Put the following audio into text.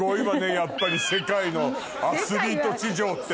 やっぱり世界のアスリート事情って。